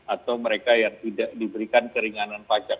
atau mereka yang tidak diberikan keringanan pajak